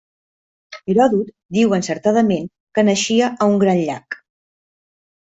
Heròdot diu encertadament que naixia a un gran llac.